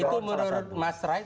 itu menurut mas rai